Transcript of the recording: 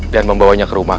biar membawanya ke rumah